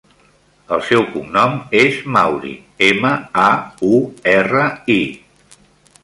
El seu cognom és Mauri: ema, a, u, erra, i.